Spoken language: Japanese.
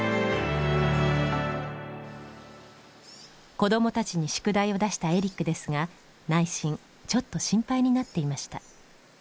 子どもたちに宿題を出したエリックですが内心ちょっと心配になっていました。